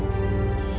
kamu sudah sampai jatuh